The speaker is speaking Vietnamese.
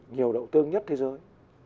nhiều đậu tương nhất thế giới